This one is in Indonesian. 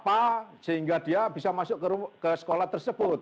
apa sehingga dia bisa masuk ke sekolah tersebut